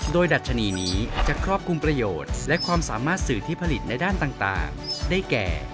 โดยดัชนีนี้จะครอบคลุมประโยชน์และความสามารถสื่อที่ผลิตในด้านต่างได้แก่